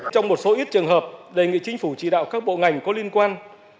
trong một số ít trường hợp đề nghị chính phủ chỉ đạo các bộ ngành có liên quan